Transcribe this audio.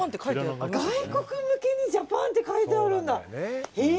外国向けにジャパンって書いてあるんだ。